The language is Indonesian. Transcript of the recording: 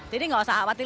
jadi nggak usah khawatir